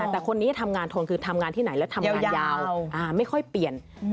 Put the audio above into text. แต่คนนี้ทำงานทนคือทำงานที่ไหนแล้วทำยาวไม่ค่อยเปลี่ยน